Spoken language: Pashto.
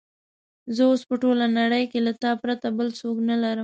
زه اوس په ټوله نړۍ کې له تا پرته بل څوک نه لرم.